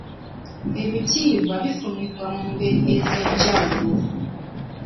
Ebitiibwa bifunibwa mu ngeri ez'enjawulo.